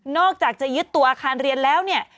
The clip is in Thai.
อกจากจะยึดตัวอาคารเรียนแล้วเนี่ย